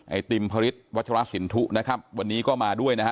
ติมพระฤทธิวัชรสินทุนะครับวันนี้ก็มาด้วยนะฮะ